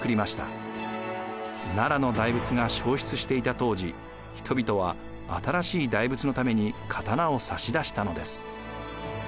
奈良の大仏が消失していた当時人々は新しい大仏のために刀を差し出したのです。